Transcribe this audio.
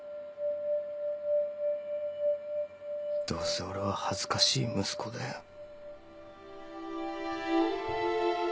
どうせ俺は恥ずかしい息子だよ。